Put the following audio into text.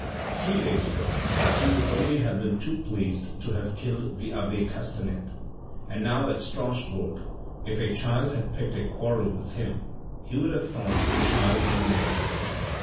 Three days ago he would only have been too pleased to have killed the abbe Castanede, and now, at Strasbourg, if a child had picked a quarrel with him he would have thought the child was in the right.